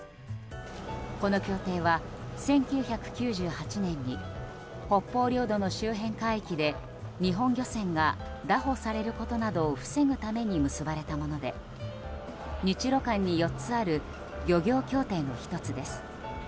この協定は１９９８年に北方領土の周辺海域で日本漁船が拿捕されることなどを防ぐために結ばれたもので、日露間に４つある漁業協定の１つです。